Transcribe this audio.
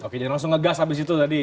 oke jadi langsung ngegas habis itu tadi